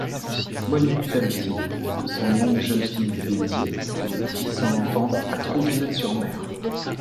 Monique Pelletier, de son nom de jeune fille Bédier, vit son enfance à Trouville-sur-Mer.